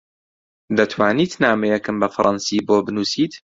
دەتوانیت نامەیەکم بە فەڕەنسی بۆ بنووسیت؟